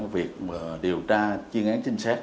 việc điều tra chiến án chính xác